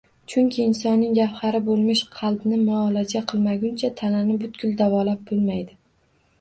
Chunki insonning gavhari bo‘lmish qalbni muolaja qilmaguncha tanani butkul davolab bo‘lmaydi.